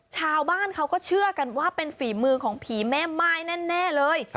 ชาวบ้านเขาก็เชื่อกันว่าเป็นฝีมือของผีแม่ม่ายแน่เลย